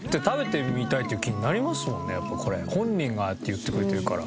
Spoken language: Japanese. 本人がああやって言ってくれてるから。